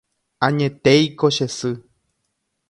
Añetéiko che sy.